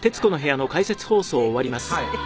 はい。